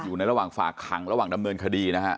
อยู่ในระหว่างฝากขังระหว่างดำเนินคดีนะฮะ